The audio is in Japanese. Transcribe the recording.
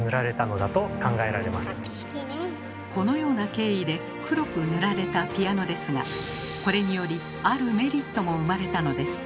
このような経緯で黒く塗られたピアノですがこれによりあるメリットも生まれたのです。